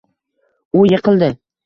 U yiqildi